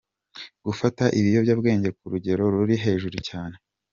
Gufata ibiyobyabwenge ku rugero ruri hejuru cyane.